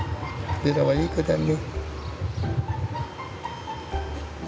ベラはいい子だね。